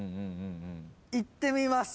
いってみます。